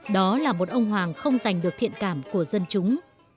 đó là một ông hoàng không giành được thiện cảm của dân chúng